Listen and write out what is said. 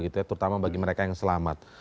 terutama bagi mereka yang selamat